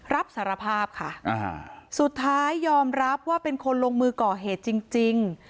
รับสารภาพค่ะสุดท้ายยอมรับว่าเป็นคนลงมือก่อเหตุจริง